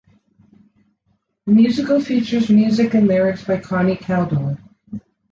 The musical features music and lyrics by Connie Kaldor.